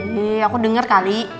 ih aku denger kali